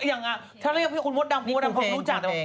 อย่างนั้นถ้าเรียกหัวดำพวกนี้ผมรู้จัก